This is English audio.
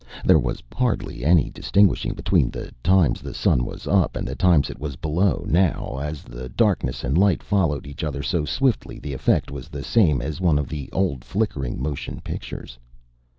There was hardly any distinguishing between the times the sun was up and the times it was below now, as the darkness and light followed each other so swiftly the effect was the same as one of the old flickering motion pictures.